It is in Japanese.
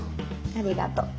ありがとう。